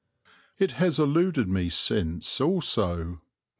It has eluded me since also.